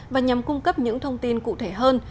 và nhằm cung cấp những thông tin cụ thể hơn